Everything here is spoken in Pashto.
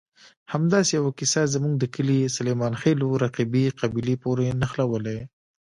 همداسې یوه کیسه زموږ د کلي سلیمانخېلو رقیبې قبیلې پورې نښلولې.